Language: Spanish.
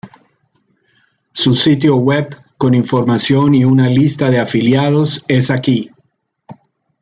Su sitio web con información y una lista de afiliados es aquí.